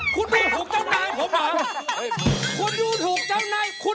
คุณฟังผมแป๊บนึงนะครับ